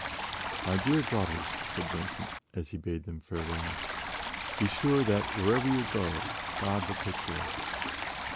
"My dear daughters," said Vincent, as he bade them farewell, "be sure that, wherever you go, God will take care of you."